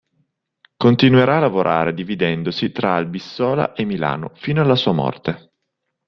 Continuerà a lavorare dividendosi tra Albissola e Milano fino alla sua morte.